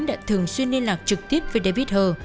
đã thường xuyên liên lạc trực tiếp với david her